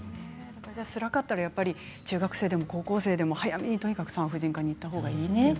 つらかったら中学生でも高校生でも早めに産婦人科に行ったほうがいいということですね。